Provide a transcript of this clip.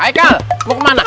haikal mau ke mana